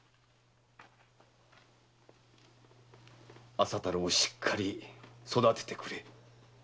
浅太郎をしっかり育ててくれ。